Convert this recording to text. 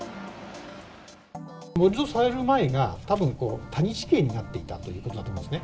盛り土される前が、たぶん、谷地形になっていた所だと思うんですね。